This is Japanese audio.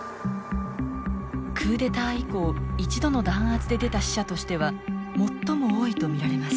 クーデター以降一度の弾圧で出た死者としては最も多いと見られます。